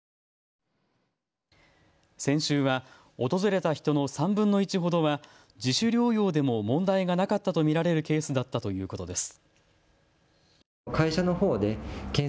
先週は訪れた人の３分の１ほどは自主療養でも問題がなかったと見られるケースだったということです。